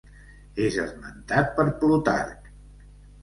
És esmentat per Plutarc.